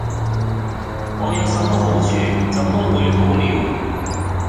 我有什麼好處，怎麼會「好了」？